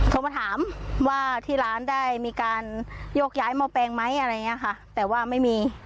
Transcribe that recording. โทรมาถามว่าที่ร้านได้มีการโยกย้ายหม้อแปลงไหมอะไรอย่างเงี้ยค่ะแต่ว่าไม่มี